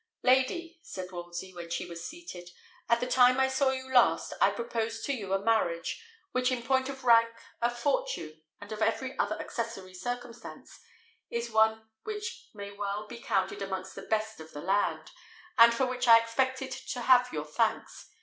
"Lady," said Wolsey, when she was seated, "at the time I saw you last, I proposed to you a marriage, which in point of rank, of fortune, and of every other accessory circumstance, is one which may well be counted amongst the best of the land, and for which I expected to have your thanks.